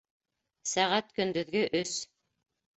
Сәғәт көндөҙгө өс